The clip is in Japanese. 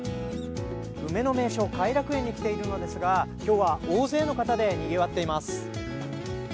梅の名所、偕楽園に来ているのですが、今日は大勢の人でにぎわっています。